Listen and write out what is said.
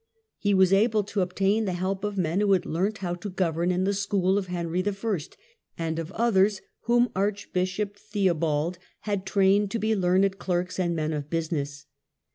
He was able to obtain the help of men who had learnt how to govern in the school of Henry I., and of others whom Archbishop Theobald had trained to be learned clerks and men of business.